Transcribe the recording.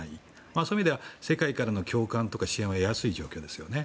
そういう意味では世界からの共感とか支援を得やすい状況ですよね。